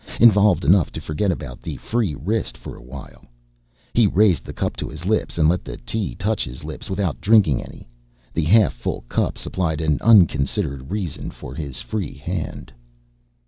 Involved enough to forget about the free wrist for a while. He raised the cup to his lips and let the tea touch his lips without drinking any. The half full cup supplied an unconsidered reason for his free hand.